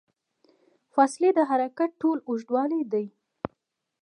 فاصلې د حرکت ټول اوږدوالی دی.